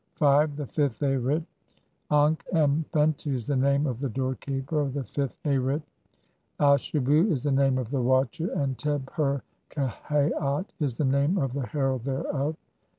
V. "THE FIFTH ARIT. Ankh em fentu is the name of the door keeper of the fifth Arit, Ashebu is the name of the watcher, "and Teb her kehaat is the name of the herald thereof."